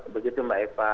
begitu mbak eva